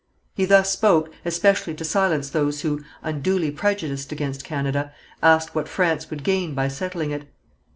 He thus spoke especially to silence those who, unduly prejudiced against Canada, asked what France would gain by settling it.